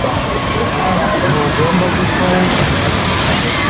Ntugomba gukora ibi